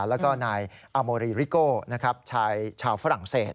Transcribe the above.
แล้วก็นายอาโมรีริโก้ชายชาวฝรั่งเศส